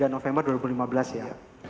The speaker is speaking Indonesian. dua puluh tiga november dua ribu lima belas ya